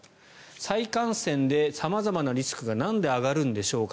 再感染で様々なリスクがなんで上がるんでしょうか。